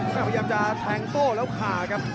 พยายามจะแทงโต้แล้วขาครับ